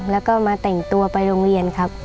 แล้วก็มาแต่งตัวไปโรงเรียนครับ